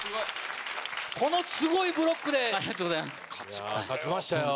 このすごいブロックで勝ちましたよ。